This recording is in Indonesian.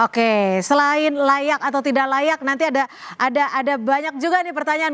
oke selain layak atau tidak layak nanti ada banyak juga nih pertanyaan